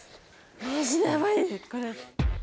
マジでやばいこれ。